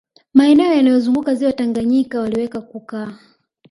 Maeneo yanayolizunguka ziwa Tanganyika waliweza kukaa